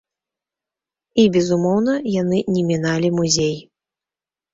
І, безумоўна, яны не міналі музей.